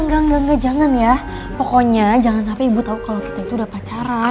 enggak enggak jangan ya pokoknya jangan sampai ibu tahu kalau kita itu udah pacaran